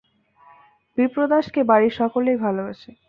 বিপ্রদাসকে বাড়ির সকলেই ভালোবাসে।